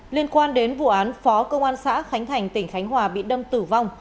liên quan đến vụ án phó công an xã khánh thành tỉnh khánh hòa bị đâm tử vong